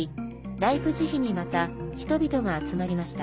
ライプチヒにまた人々が集まりました。